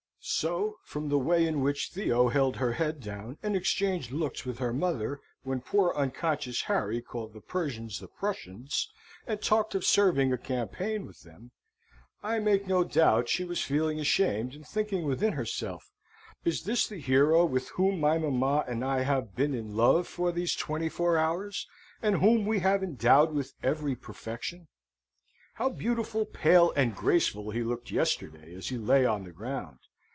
So, from the way in which Theo held her head down, and exchanged looks with her mother, when poor unconscious Harry called the Persians the Prussians, and talked of serving a campaign with them, I make no doubt she was feeling ashamed, and thinking within herself, "Is this the hero with whom my mamma and I have been in love for these twenty four hours, and whom we have endowed with every perfection? How beautiful, pale, and graceful he looked yesterday as he lay on the ground!